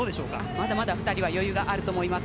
まだまだ２人は余裕があると思います。